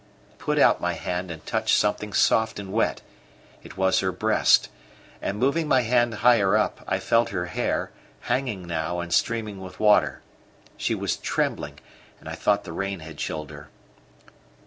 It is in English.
I put out my hand and touched something soft and wet; it was her breast, and moving my hand higher up, I felt her hair, hanging now and streaming with water. She was trembling, and I thought the rain had chilled her.